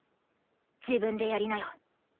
自分でやりなよ。